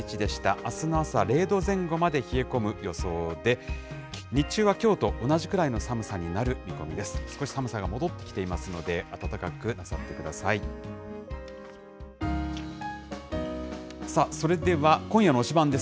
あすの朝、０度前後まで冷え込む予想で、日中はきょうと同じくらいの寒さになる見込みです。